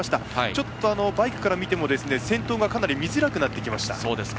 ちょっと、バイクから見ても先頭がかなり見づらくなってきました。